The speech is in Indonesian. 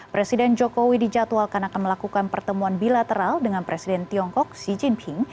presiden jokowi dijadwalkan akan melakukan pertemuan bilateral dengan presiden tiongkok xi jinping